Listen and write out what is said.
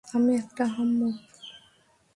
আমি একটা আহাম্মক।